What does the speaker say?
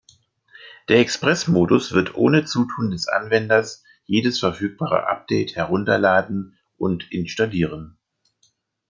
Der Express-Modus wird ohne Zutun des Anwenders jedes verfügbare Update herunterladen und installieren.